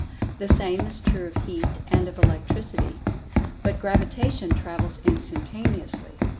The same is true of Heat and of Electricity. But Gravitation travels instantaneously.